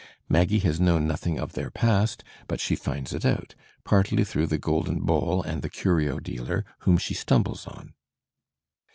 Maggie has known nothing of their past, but she finds it out, partly through the golden bowl and the curio dealer, whom she stumbles on.